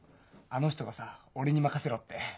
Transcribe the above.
あの人がさ「俺にまかせろ」って。